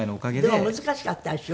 でも難しかったでしょ？